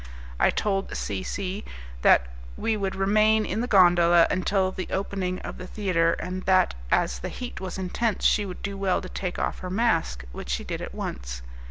I told C C that we would remain in the gondola until the opening of the theatre, and that as the heat was intense she would do well to take off her mask, which she did at once.